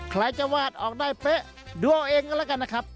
ใครจะวาดออกได้เป๊ะดูเอาเองก็แล้วกันนะครับ